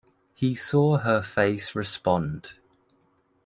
He saw her face respond.